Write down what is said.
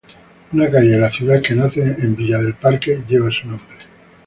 Una calle de la ciudad que nace en Villa del Parque lleva su nombre.